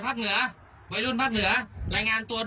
หาซ่อนให้หน่อยภาคเหนือ